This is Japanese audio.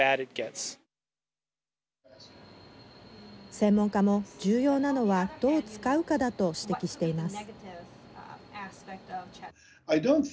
専門家も重要なのはどう使うかだと指摘しています。